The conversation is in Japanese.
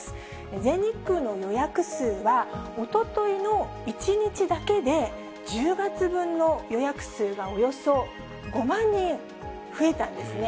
全日空の予約数は、おとといの１日だけで、１０月分の予約数がおよそ５万人増えたんですね。